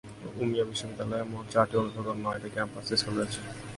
Umeå বিশ্ববিদ্যালয়ে মোট চারটি অনুষদ এবং নয়টি ক্যাম্পাস স্কুল রয়েছে।